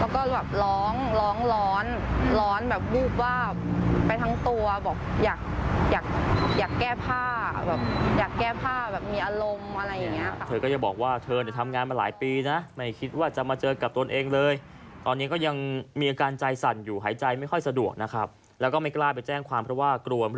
ก็รู้ว่าเป็นเพื่อนก็กระโดดกอดแล้วเพื่อนก็เล่าให้ฟังว่าเราอ้วก